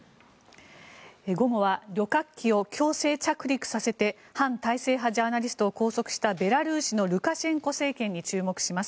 午後は旅客機を強制着陸させて反体制派ジャーナリストを拘束したベラルーシのルカシェンコ政権に注目します。